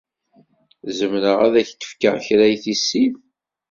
Zemreɣ ad ak-d-fkeɣ kra i tissit?